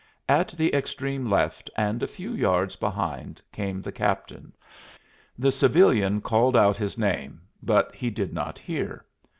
At the extreme left and a few yards behind came the captain. The civilian called out his name, but he did not hear.